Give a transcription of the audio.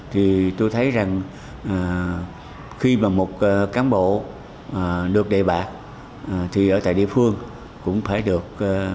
thì tôi thấy rằng khi mà một cán bộ được đề bạc thì ở tại địa phương cũng phải được